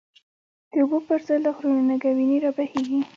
د اوبو پر ځای له غرونو، نګه وینی رابهیږی